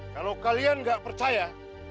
kalau kalian gak percaya